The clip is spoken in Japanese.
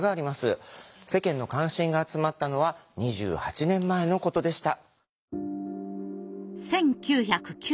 世間の関心が集まったのは２８年前のことでした。